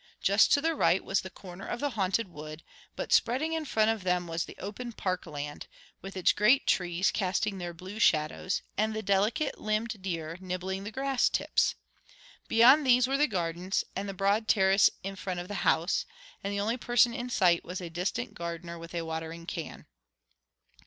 Just to their right was the corner of the Haunted Wood, but spreading in front of them was the open park land, with its great trees casting their blue shadows, and the delicate limbed deer nibbling the grass tips. Beyond these were the gardens, and the broad terrace in front of the house; and the only person in sight was a distant gardener with a watering can.